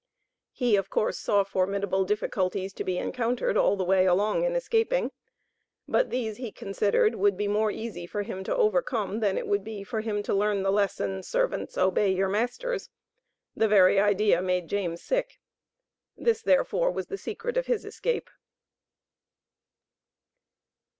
He, of course, saw formidable difficulties to be encountered all the way along in escaping, but these, he considered, would be more easy for him to overcome than it would be for him to learn the lesson "Servants, obey your masters." The very idea made James sick. This, therefore, was the secret of his escape.